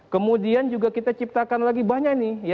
kemudian juga kita ciptakan lagi banyak nih